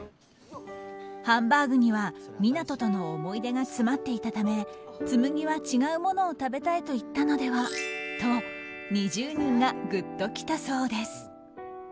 ハンバーグには湊斗との思い出が詰まっていたため紬は違うものを食べたいと言ったのではと２０人がグッときたそうです。